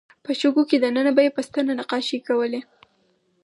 په شګو کې دننه به یې په ستنه نقاشۍ کولې.